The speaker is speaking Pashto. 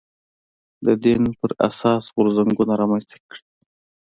د دین پر اساس غورځنګونه رامنځته کړي